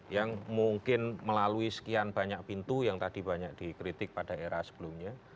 yang mungkin melalui sekian banyak pintu yang tadi banyak dikritik pada era sebelumnya